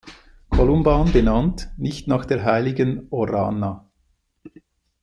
Columban benannt, nicht nach der heiligen Oranna.